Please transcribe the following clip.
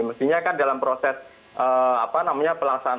mestinya kan dalam proses apa namanya pelaksanaan